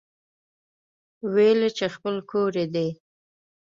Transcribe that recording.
ويل يې چې خپل کور يې دی.